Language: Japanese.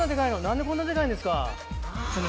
何でこんなデカいんですか？